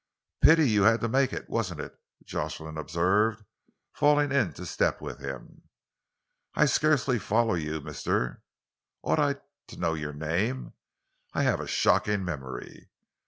"Pity you had to make it, wasn't it?" Jocelyn observed, falling into step with him. "I scarcely follow you, Mr. Ought I to know your name? I have a shocking memory."